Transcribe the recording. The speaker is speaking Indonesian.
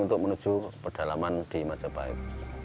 untuk menuju pedalaman di majapahit